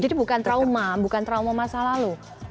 jadi bukan trauma masa lalu